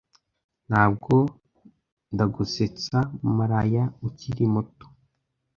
ntabwo ndagusetsa maraya ukiri muto